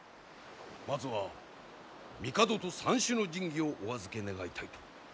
まずは帝と三種の神器をお預け願いたいと。